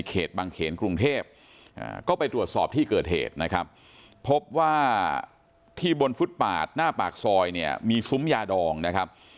บางเขนกรุงเทพก็ไปตรวจสอบที่เกิดเหตุนะครับพบว่าที่บนฟุตปาดหน้าปากซอยเนี่ยมีซุ้มยาดองนะครับ